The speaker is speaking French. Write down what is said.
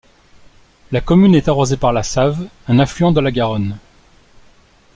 La commune est arrosée par la Save un affluent de la Garonne.